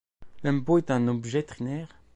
Lempo est un objet trinaire.